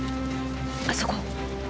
あそこ。